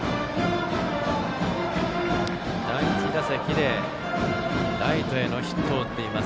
第１打席でライトへのヒットを打っています。